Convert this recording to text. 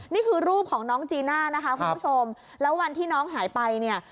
นี่คือรูปของน้องจีน่านะคะคุณผู้ชมแล้ววันที่น้องหายไปเนี่ย